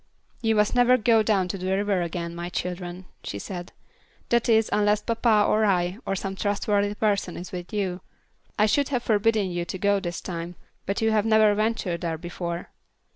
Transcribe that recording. "You must never go down to the river again, my children," she said; "that is, unless papa or I, or some trustworthy person is with you. I should have forbidden you to go this time, but you have never ventured there before."